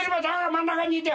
真ん中にいて！